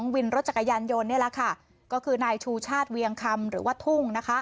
วินรถจักรยานยนต์นี่แหละค่ะก็คือนายชูชาติเวียงคำหรือว่าทุ่ง